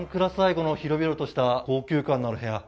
この広々とした高級感のある部屋。